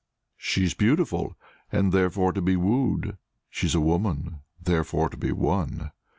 "She's beautiful; and therefore to be wooed: She is a woman; therefore to be won."